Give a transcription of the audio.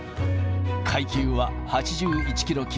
階級は８１キロ級。